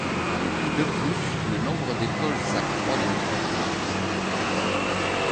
De plus, le nombre d’écoles s’accroît dans les campagnes.